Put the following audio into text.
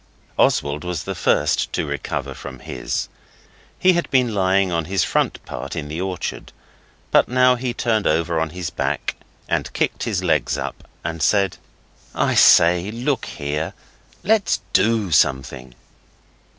Oswald was the first to recover from his. He had been lying on his front part in the orchard, but now he turned over on his back and kicked his legs up, and said 'I say, look here; let's do something.